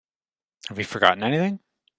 Have we forgotten anything?